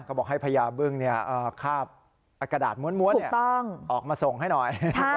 บอกให้พญาบึ้งคาบกระดาษม้วนออกมาส่งให้หน่อย